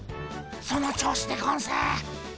その調子でゴンス！